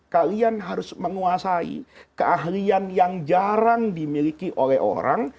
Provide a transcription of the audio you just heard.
kalian harus menguasai keahlian yang jarang dimiliki oleh orang